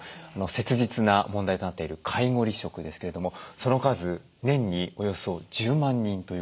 切実な問題となっている介護離職ですけれどもその数年におよそ１０万人ということで。